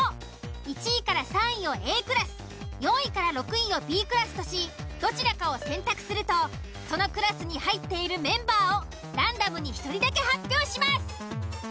１位３位をＡクラス４位６位をＢクラスとしどちらかを選択するとそのクラスに入っているメンバーをランダムに１人だけ発表します。